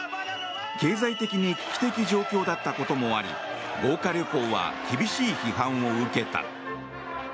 経済的に危機的状況だったこともあり豪華旅行は厳しい批判を受けた。